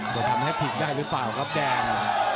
จะทำให้ผิดได้หรือเปล่าครับแดง